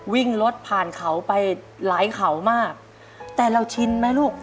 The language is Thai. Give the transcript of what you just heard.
วิ่งรถผ่านเขาไปหลายเขามากแต่เราชินไหมลูก